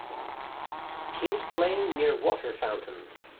Kid playing near water fountain